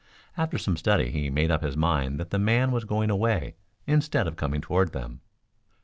After some study he made up his mind that the man was going away instead of coming toward them.